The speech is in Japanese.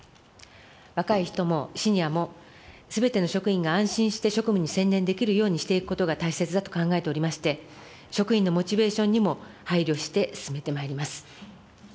若い人もシニアも、すべての職員が安心して職務に専念できるようにしていくことが大切だと考えておりまして、職員のモチベーションにも配慮して進めてまいります。